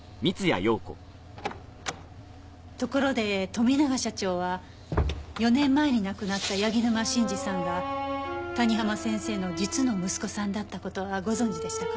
ところで富永社長は４年前に亡くなった柳沼真治さんが谷浜先生の実の息子さんだった事はご存じでしたか？